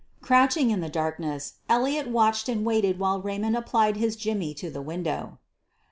Crouching in the darkness, Elliott watched and waited while Raymond applied his jimmy to the window.